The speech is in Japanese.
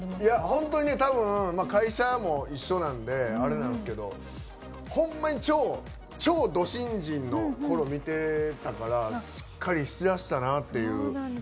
本当にたぶん会社も一緒なんであれなんですけどほんまに超ド新人のころ見てたからしっかりしだしたなっていう。